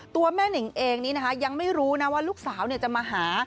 ตัวแม่นิงเองนี้นะคะยังไม่รู้นะว่าลูกสาวจะมาหา